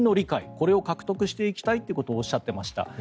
これを獲得したいということをおっしゃっていました。